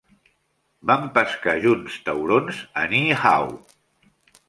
Vam pescar junts taurons a Niihau.